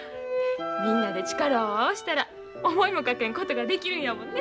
みんなで力を合わしたら思いもかけんことができるんやもんね。